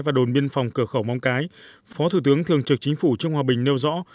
và đồn biên phòng cửa khẩu móng cái phó thủ tướng thường trực chính phủ trương hòa bình nêu rõ